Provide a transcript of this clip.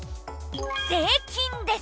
「税金」です。